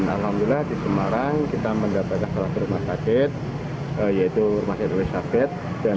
alhamdulillah di semarang kita mendapatkan kalau rumah sakit yaitu masjid wisafet